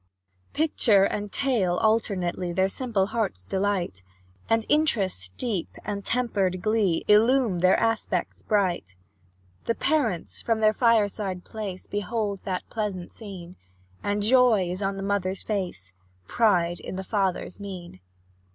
Picture and tale alternately Their simple hearts delight, And interest deep, and tempered glee, Illume their aspects bright. The parents, from their fireside place, Behold that pleasant scene, And joy is on the mother's face, Pride in the father's mien.